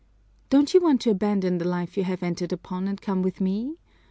Don't you want to abandon the life you have entered upon and come with me?